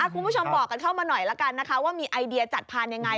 คุณผู้ชมบอกกันเข้ามาหน่อยละกันนะคะว่ามีไอเดียจัดพันธุ์ยังไง